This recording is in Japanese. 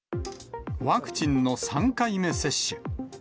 ワクチンの３回目接種。